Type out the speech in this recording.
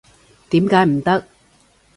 點解唔得？